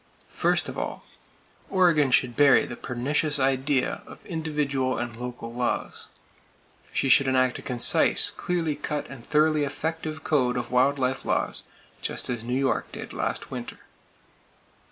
First of all, Oregon should bury the pernicious idea of individual and local laws. She should enact a concise, clearly cut, and thoroughly effective code of wild life laws, just as New York did last winter.